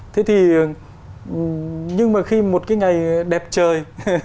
thế thì nhưng mà khi một cái ngày đẹp trời